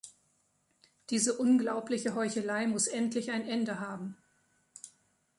Diese unglaubliche Heuchelei muss endlich ein Ende haben.